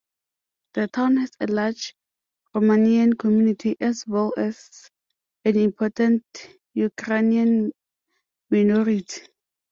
The town has a large Romanian community as well as an important Ukrainian minority.